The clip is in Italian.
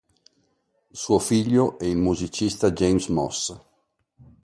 Suo figlio è il musicista James Moss.